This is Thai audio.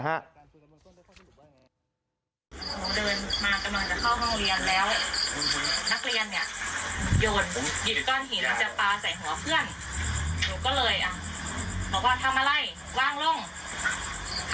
แล้วน้องก็เดินผ่านท่านอยู่ลงไป